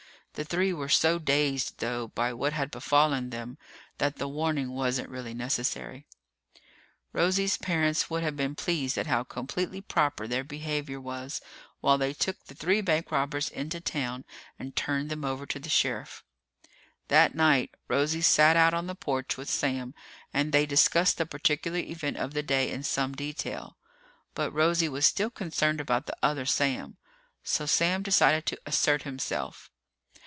The three were so dazed, though, by what had befallen them that the warning wasn't really necessary. Rosie's parents would have been pleased at how completely proper their behavior was, while they took the three bank robbers into town and turned them over to the sheriff. That night, Rosie sat out on the porch with Sam and they discussed the particular event of the day in some detail. But Rosie was still concerned about the other Sam. So Sam decided to assert himself.